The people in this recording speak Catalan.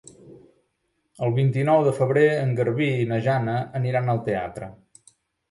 El vint-i-nou de febrer en Garbí i na Jana aniran al teatre.